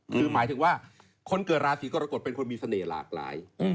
คือหมายถึงว่าคนเกิดราศีกรกฎเป็นคนมีเสน่ห์หลากหลาย